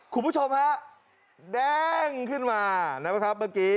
คุณผู้ชมฮะแดงขึ้นมานะครับเมื่อกี้